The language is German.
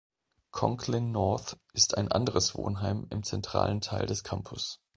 Conklin North ist ein anderes Wohnheim im zentralen Teil des Campus.